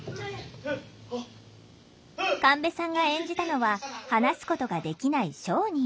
神戸さんが演じたのは話すことができない商人。